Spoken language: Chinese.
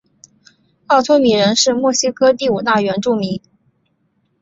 奥托米人是墨西哥第五大原住民。